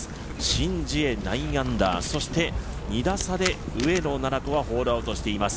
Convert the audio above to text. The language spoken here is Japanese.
シン・ジエ、９アンダーそして２打差で上野菜々子はホールアウトしています。